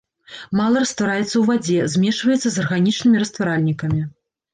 Мала раствараецца ў вадзе, змешваецца з арганічнымі растваральнікамі.